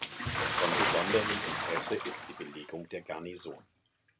Von besonderem Interesse ist die Belegung der Garnison.